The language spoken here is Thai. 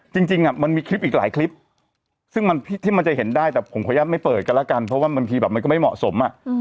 จริงมันมีคลิปอีกหลายคลิปซึ่งที่มันจะเห็นได้แต่ผมขออนุญาตไม่เปิดกันแล้วกันเพราะว่าบางทีแบบมันก็ไม่เหมาะสม